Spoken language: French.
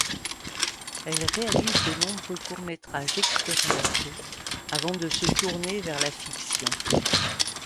Elle réalise de nombreux courts-métrages expérimentaux avant de se tourner vers la fiction.